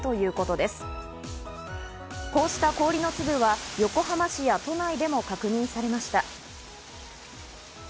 こうした氷の粒は横浜市や都内でも確認されました。